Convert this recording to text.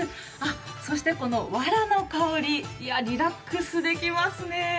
そしてこのわらの香りリラックスできますね。